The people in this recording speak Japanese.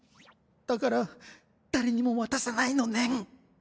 だから誰にも渡さないのねん。